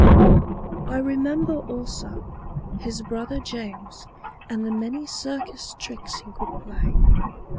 I remember, also, his brother James and the many circus tricks he could play.